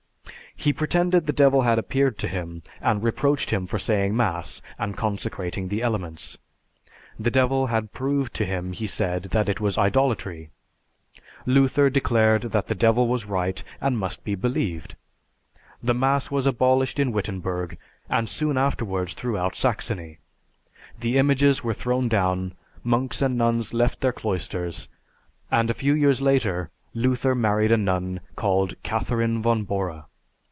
He pretended the devil had appeared to him and reproached him for saying mass and consecrating the elements. The devil had proved to him, he said, that it was idolatry. Luther declared that the devil was right and must be believed. The mass was abolished in Wittenberg, and soon afterwards throughout Saxony; the images were thrown down, monks and nuns left their cloisters, and, a few years later, Luther married a nun called Catharine von Bora.